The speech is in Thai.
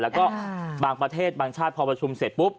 แล้วก็บางประเทศบางชาติพอประชุมเสร็จปุ๊บ